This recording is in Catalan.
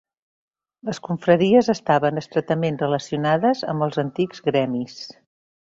Les confraries estaven estretament relacionades amb els antics gremis.